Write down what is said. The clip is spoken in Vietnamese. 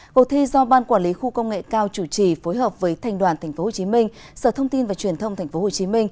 cuộc thi do ban quản lý khu công nghệ cao chủ trì phối hợp với thành đoàn tp hcm sở thông tin và truyền thông tp hcm